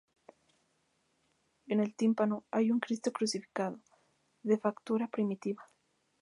En el tímpano hay un Cristo crucificado, de factura primitiva.